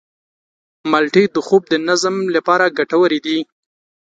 مالټې د خوب د نظم لپاره ګټورې دي.